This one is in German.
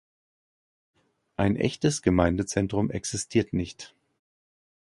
Ein echtes Gemeindezentrum existiert nicht.